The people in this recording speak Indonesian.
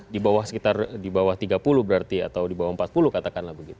di bawah sekitar di bawah tiga puluh berarti atau di bawah empat puluh katakanlah begitu